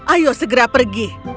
ayo segera pergi